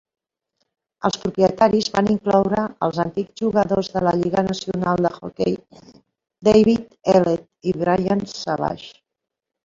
Els propietaris van incloure els antics jugadors de la lliga nacional de hoquei Dave Ellett i Brian Savage.